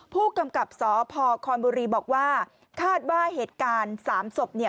ผู้กำกับสพคอนบุรีบอกว่าคาดว่าเหตุการณ์๓ศพ